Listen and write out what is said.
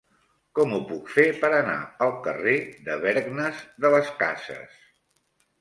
Com ho puc fer per anar al carrer de Bergnes de las Casas?